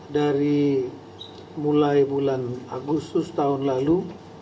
dari mulai bulan agustus tahun lalu